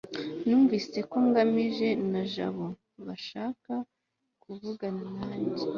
numvise ko ngamije na jabo bashaka kuvugana nanjye